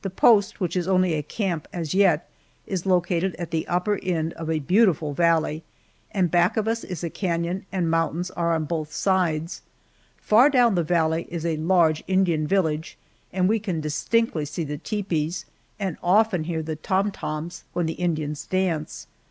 The post, which is only a camp as yet, is located at the upper end of a beautiful valley, and back of us is a canon and mountains are on both sides. Far down the valley is a large Indian village, and we can distinctly see the tepees, and often hear the "tom toms" when the Indians dance.